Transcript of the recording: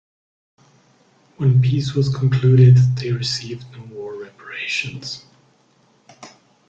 When peace was concluded, they received no war reparations.